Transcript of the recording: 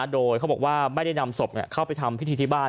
โดยเขาบอกว่าไม่ได้นำศพเข้าไปทำพิธีที่บ้าน